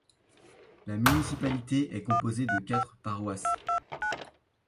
La municipalité est composée de quatre paroisses.